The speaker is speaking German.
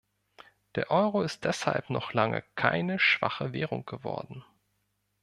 Der Euro ist deshalb noch lange keine schwache Währung geworden.